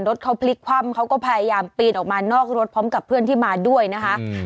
รถเขาพลิกคว่ำเขาก็พยายามปีนออกมานอกรถพร้อมกับเพื่อนที่มาด้วยนะคะอืม